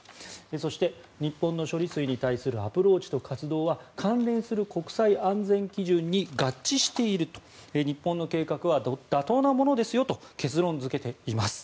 そして、日本の処理水に対するアプローチと活動は関連する国際安全基準に合致している日本の活動は妥当なものですよと結論付けています。